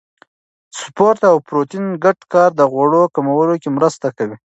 سپورت او پروتین ګډ کار د غوړو کمولو کې مرسته کوي.